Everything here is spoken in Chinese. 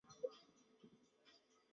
半个月就不去了